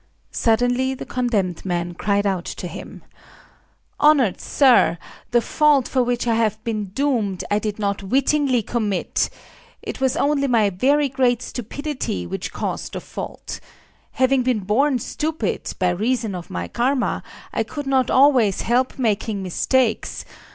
Suddenly the condemned man cried out to him:— "Honored Sir, the fault for which I have been doomed I did not wittingly commit. It was only my very great stupidity which caused the fault. Having been born stupid, by reason of my Karma, I could not always help making mistakes.